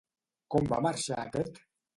Com va marxar aquest?